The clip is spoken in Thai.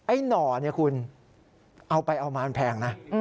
หน่อเนี่ยคุณเอาไปเอามามันแพงนะ